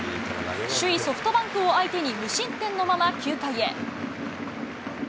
首位ソフトバンクを相手に、無失点のまま９回へ。